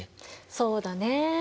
そうだね。